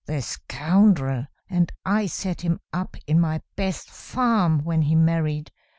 The scoundrel! And I set him up in my best farm when he married.